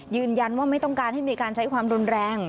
ยืนยันว่าไม่ต้องการให้มีการใช้ความรุนแรง